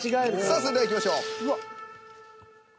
それではいきましょう。